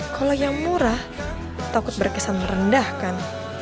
kalo yang murah takut berkesan rendah kan